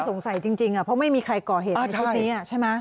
สงสัยจริงเพราะไม่มีใครก่อเหตุในชุดนี้ใช่ไหม